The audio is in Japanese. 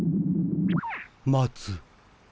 待つ。